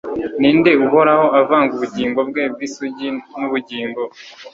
ninde uhoraho avanga ubugingo bwe bwisugi nubugingo